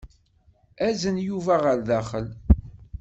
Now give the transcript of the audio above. Azen Yuba ɣer daxel.